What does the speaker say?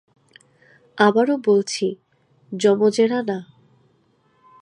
আবারো বলছি, জমজেরা না।